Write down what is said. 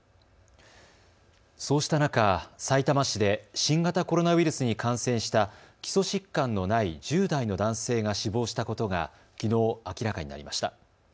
そうした中、さいたま市で新型コロナウイルスに感染した基礎疾患のない１０代の男性が死亡したことがきのう明らかになりました。